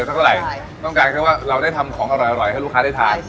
ตัวของของเรารู้ได้ร้อยให้ลูกค้าได้ทาน